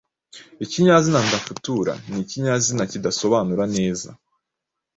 Ikinyazina ndafutura ni ikinyazina kidasobanura neza